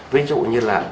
ví dụ như là